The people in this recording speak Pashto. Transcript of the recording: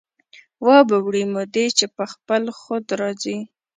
وابه وړي مودې چې په خپل خود را ځي